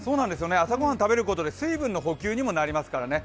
朝御飯食べることで水分の補給にもなりますからね、